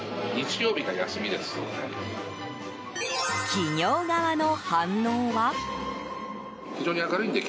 企業側の反応は。